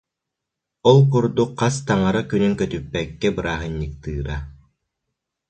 Ол курдук хас таҥара күнүн көтүппэккэ бырааһынньыктыыра